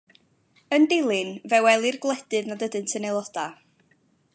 Yn dilyn, fe welir gwledydd nad ydynt yn aelodau.